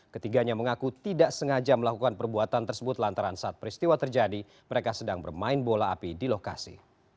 ketiganya mengaku tidak sengaja melakukan perbuatan tersebut lantaran saat peristiwa terjadi mereka sedang bermain bola api di lokasi